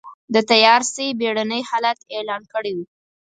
د تيارسۍ بېړنی حالت اعلان کړی و.